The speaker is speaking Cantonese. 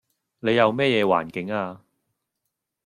你又咩嘢環境呀